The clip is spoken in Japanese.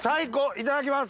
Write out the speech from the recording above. いただきます。